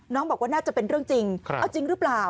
บอกว่าน่าจะเป็นเรื่องจริงเอาจริงหรือเปล่า